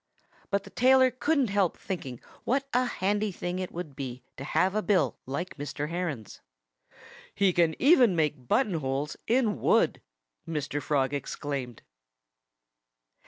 But the tailor couldn't help thinking what a handy thing it would be to have a bill like Mr. Heron's. "He can even make button holes in wood!" Mr. Frog exclaimed.